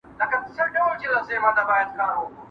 ¬ لوى مي کې، لويي مه راکوې.